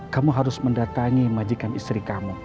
kamu harus mendatangi majikan istri kamu